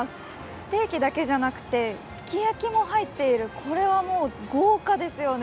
ステーキだけじゃなくて、すき焼きも入っているこれはもう豪華ですよね。